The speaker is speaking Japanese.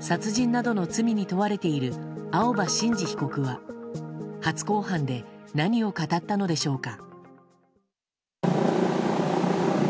殺人などの罪に問われている青葉真司被告は初公判で何を語ったのでしょうか。